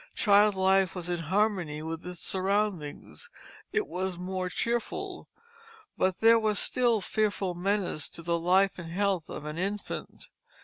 Child life was in harmony with its surroundings; it was more cheerful, but there was still fearful menace to the life and health of an infant.